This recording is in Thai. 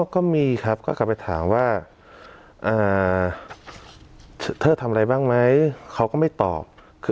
ก็มีครับก็กลับไปถามว่าเธอทำอะไรบ้างไหมเขาก็ไม่ตอบ